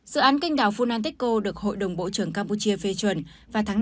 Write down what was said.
dự án kênh đảo phunanteco được hội đồng bộ trưởng campuchia phê chuẩn vào tháng năm hai nghìn hai mươi ba